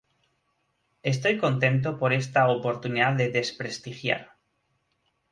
Estoy contento por esta oportunidad de desprestigiar